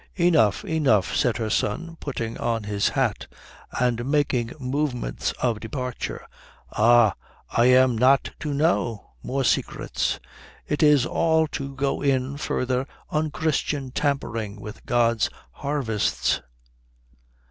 "Enough, enough," said her son, putting on his hat and making movements of departure. "Ah. I am not to know. More secrets. It is all to go in further unchristian tampering with God's harvests."